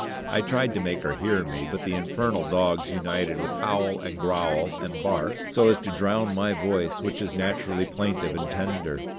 I tried to make her hear me, but the infernal dogs united with howl, and growl, and bark, so as to drown my voice, which is naturally plaintive and tender.